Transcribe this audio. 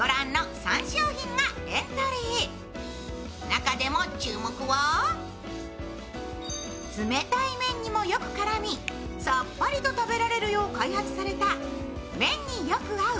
中でも注目は冷たい麺にもよく絡みさっぱりと食べられるよう開発された麺によく合う！